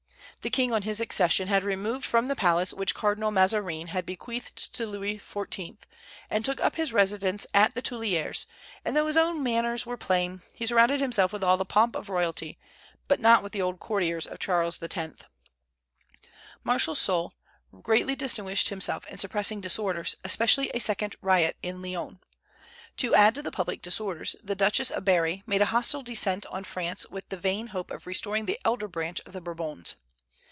The king on his accession had removed from the palace which Cardinal Mazarin had bequeathed to Louis XIV., and took up his residence at the Tuileries; and though his own manners were plain, he surrounded himself with all the pomp of royalty, but not with the old courtiers of Charles X. Marshal Soult greatly distinguished himself in suppressing disorders, especially a second riot in Lyons. To add to the public disorders, the Duchess of Berri made a hostile descent on France with the vain hope of restoring the elder branch of the Bourbons.